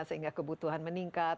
sehingga kebutuhan meningkat